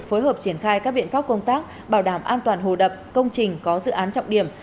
phối hợp triển khai các biện pháp công tác bảo đảm an toàn hồ đập công trình có dự án trọng điểm